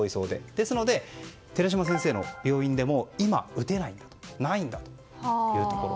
ですので、寺嶋先生の病院でも今、打てないないんだというところ。